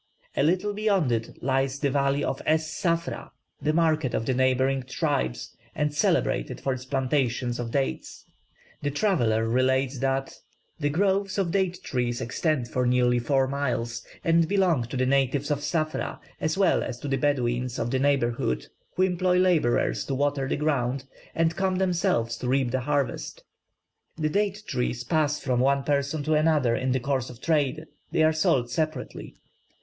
A little beyond it lies the valley of Es Ssafra, the market of the neighbouring tribes and celebrated for its plantations of dates. The traveller relates that "The groves of date trees extend for nearly four miles, and belong to the natives of Ssafra as well as to the Bedouins of the neighbourhood, who employ labourers to water the ground, and come themselves to reap the harvest. The date trees pass from one person to another in the course of trade; they are sold separately.